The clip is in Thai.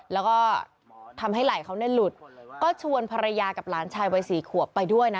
แล้วก็ทำให้ไหล่เขาเนี่ยหลุดก็ชวนภรรยากับหลานชายวัยสี่ขวบไปด้วยนะ